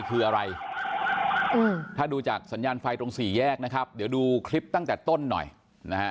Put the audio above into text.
คืออะไรถ้าดูจากสัญญาณไฟตรงสี่แยกนะครับเดี๋ยวดูคลิปตั้งแต่ต้นหน่อยนะฮะ